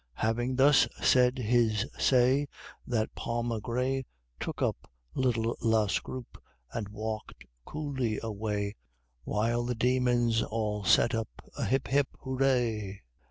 Having thus said his say, That Palmer gray Took up little La Scroope, and walked coolly away, While the Demons all set up a "Hip! hip! hurrah!"